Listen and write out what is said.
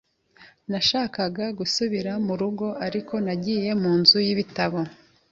Nashakaga gusubira mu rugo, ariko nagiye mu nzu y'ibitabo.